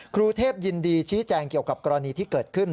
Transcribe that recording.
ครูเทพยินดีชี้แจงเกี่ยวกับกรณีที่เกิดขึ้น